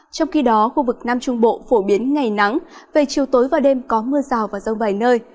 trong khi đó khu vực nam trung bộ phổ biến ngày nắng về chiều tối và đêm có mưa rào và rông vài nơi